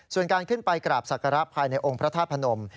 ส่วนการขึ้นไปกราบศักระภายในองค์พระธาตุพนม